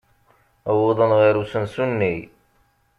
Wwḍen ɣer usensu-nni.